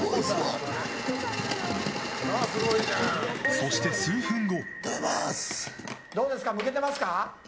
そして数分後。